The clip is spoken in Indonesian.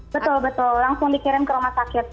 betul betul langsung dikirim ke rumah sakit